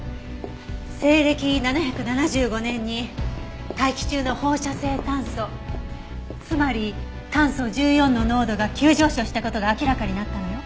西暦７７５年に大気中の放射性炭素つまり炭素１４の濃度が急上昇した事が明らかになったのよ。